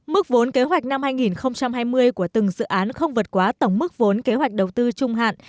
mức vốn kế hoạch năm hai nghìn hai mươi của từng dự án không vượt quá tổng mức vốn kế hoạch đầu tư trung hạn